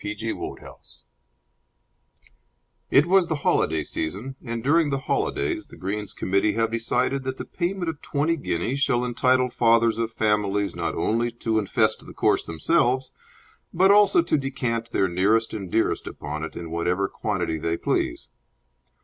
3 A Mixed Threesome It was the holiday season, and during the holidays the Greens Committees have decided that the payment of twenty guineas shall entitle fathers of families not only to infest the course themselves, but also to decant their nearest and dearest upon it in whatever quantity they please.